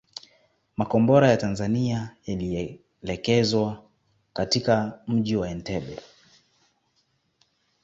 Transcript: Makombora ya Tanzania yalielekezwa katika mji wa Entebbe